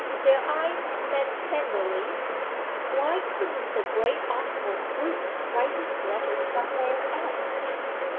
Their eyes met tenderly (why couldn't the great awkward brute write his letters somewhere else?).